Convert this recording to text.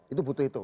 itu butuh itu